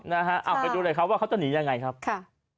นะฮะเอาไปดูหน่อยครับว่าเขาจะหนียังไงครับค่ะ